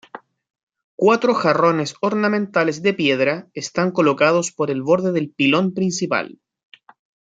Cuatro jarrones ornamentales de piedra están colocados por el borde del pilón principal.